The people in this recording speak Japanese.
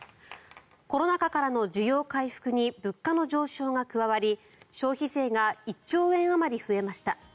コロナ禍からの需要回復に物価の上昇が加わり消費税が１兆円あまり増えました。